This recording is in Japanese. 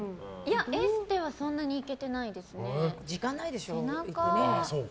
エステはそんなに行けてないですね。